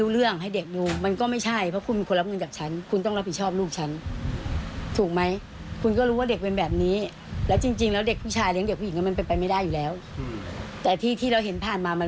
เราก็ให้เราก็เห็นมันปลอดภัยเราก็เออไม่เป็นไรมั้ง